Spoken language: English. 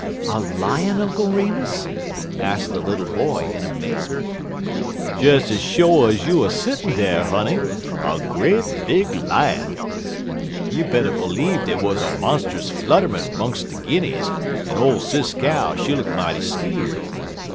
"A Lion, Uncle Remus?" asked the little boy, in amazement. "Des ez sho' ez you er settin' dar, honey, a great big Lion. You better b'leeve dey wuz a monst'us flutterment 'mungs de Guinnies, en ole Sis Cow, she looked mighty skeer'd.